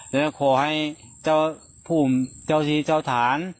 แล้วก็ขอให้เจ้าภูมิเจ้าที่เจ้าฐาน